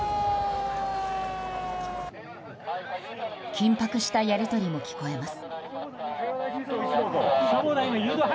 緊迫したやり取りも聞こえます。